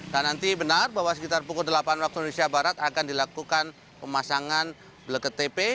dan nanti benar bahwa sekitar pukul delapan waktu indonesia barat akan dilakukan pemasangan black tp